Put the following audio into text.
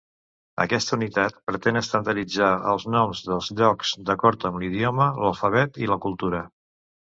Aquesta unitat pretén estandarditzar els noms dels llocs d'acord amb l'idioma, l'alfabet i la cultura.